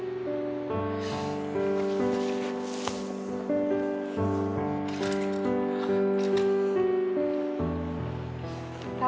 รักท่าน